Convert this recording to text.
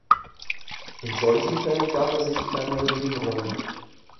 In solchen Fällen gab er sich kleinere Nebenrollen.